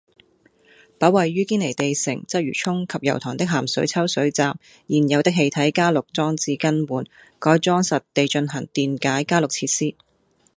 把位於堅尼地城、鰂魚涌及油塘的鹹水抽水站現有的氣體加氯裝置更換，改裝實地進行電解加氯設施